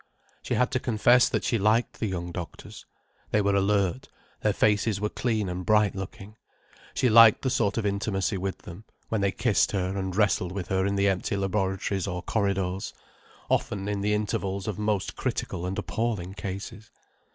She had to confess that she liked the young doctors. They were alert, their faces were clean and bright looking. She liked the sort of intimacy with them, when they kissed her and wrestled with her in the empty laboratories or corridors—often in the intervals of most critical and appalling cases.